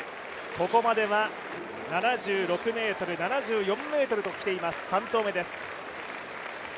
ここまでは７６ｍ、７４ｍときています、３投目です。